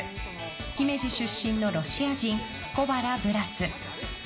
姫路出身のロシア人、小原ブラス。